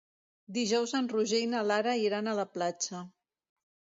Dijous en Roger i na Lara iran a la platja.